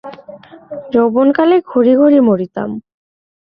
যৌবন কালে ঘড়ি ঘড়ি মরিতাম।